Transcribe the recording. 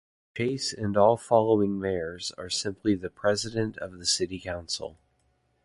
Chase and all following mayors are simply the president of the city council.